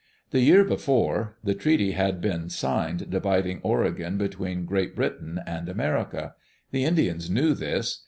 The year before, the treaty had been signed dividing Oregon between Great Britain and America. The Indians knew this.